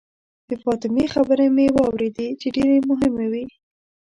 د فاطمې خبرې مې واورېدې چې ډېرې مهمې وې.